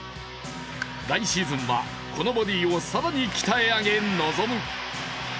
来シーズンは、このボディーを更に鍛え上げ臨む。